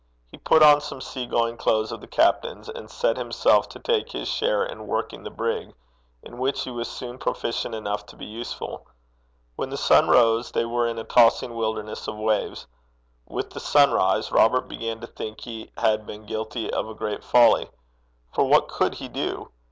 He put on some sea going clothes of the captain's, and set himself to take his share in working the brig, in which he was soon proficient enough to be useful. When the sun rose, they were in a tossing wilderness of waves. With the sunrise, Robert began to think he had been guilty of a great folly. For what could he do?